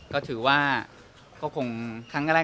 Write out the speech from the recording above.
ก็ถือว่าก็คงครั้งแรกก็คงทำหน้าที่